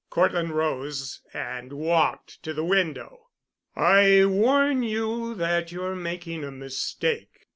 Cortland rose and walked to the window. "I warn you that you're making a mistake.